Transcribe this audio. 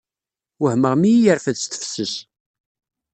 Wehmeɣ mi iyi-yerfed s tefses.